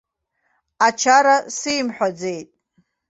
Ачара сеимҳәаӡеит.